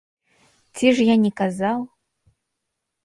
Ці ж я не казаў?